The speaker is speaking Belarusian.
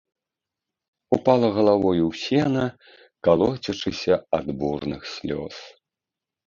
Упала галавою ў сена, калоцячыся ад бурных слёз.